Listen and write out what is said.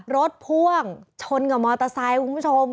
รถภ่วงชนกับมอร์ตาไซข์คุณผู้ชม